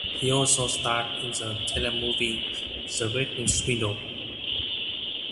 He also starred in the telemovie "The Great Mint Swindle".